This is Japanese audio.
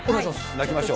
泣きましょう。